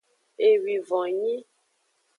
Ewivon nyi.